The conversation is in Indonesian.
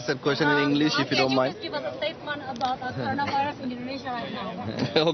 pak mungkin dari who kita memberikan pernyataan pak dari who kita memberikan pernyataan